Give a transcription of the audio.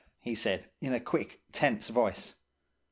he said, in a quick, tense voice.